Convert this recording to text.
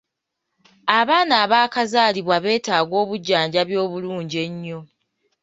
Abaana abaakazaalibwa beetaaga obujjanjabi obulungi ennyo.